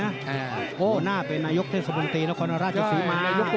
หัวหน้าเป็นนายกทรงสมฤตินครราชสิหม่า